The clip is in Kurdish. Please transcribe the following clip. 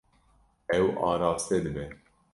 Ew araste dibe.